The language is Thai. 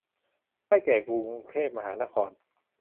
ได้แก่กรุงเทพมหานคร